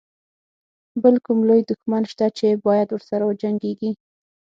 بل کوم لوی دښمن شته چې باید ورسره وجنګيږي.